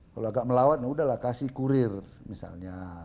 kalau gak melawat ya udahlah kasih kurir misalnya